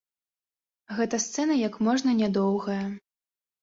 Гэта сцэна як можна нядоўгая.